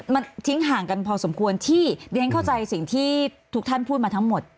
มันทิ้งห่างกันพอสมควรที่เรียนเข้าใจสิ่งที่ทุกท่านพูดมาทั้งหมด